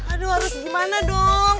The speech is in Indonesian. aduh harus gimana dong